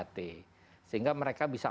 tiga t sehingga mereka bisa